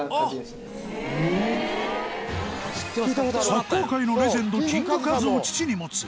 サッカー界のレジェンドキングカズを父に持つ